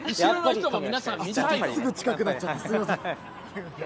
すぐ近くなっちゃってすみません！